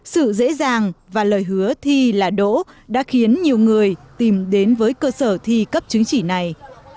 sự dễ dàng và lời hứa thi là đỗ đã khiến nhiều người tìm đến với cơ sở thi cấp chứng chỉ này